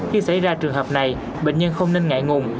khi xảy ra trường hợp này bệnh nhân không nên ngại ngùng